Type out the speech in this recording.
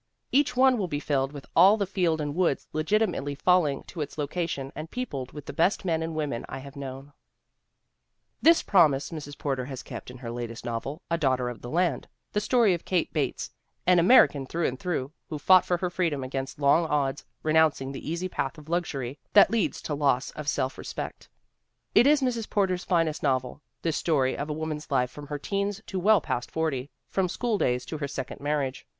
4 Each one will be filled with all the field and woods legitimately falling to its location and peopled with the best men and women I have known/ ' This promise Mrs. Porter has kept in her latest novel, A Daughter of the Land, (the story of Kate Bates, an American through and through, who fought for her freedom against long odds, renouncing the easy path of luxury that leads to loss of self re spect. ) It is Mrs. Porter's finest novel, this story of a woman's life from her teens to well past fortyXfrom school days to her second marriage.